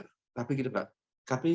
kita sudah bayar